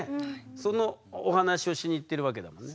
そのお話をしに行ってるわけだもんね。